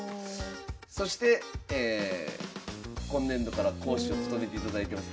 そして今年度から講師を務めていただいてます